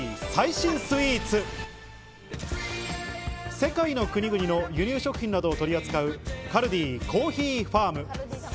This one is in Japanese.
世界の国々の輸入食品など取り扱うカルディコーヒーファーム。